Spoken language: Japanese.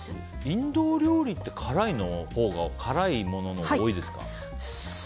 インド料理って辛いもののほうが多いですか？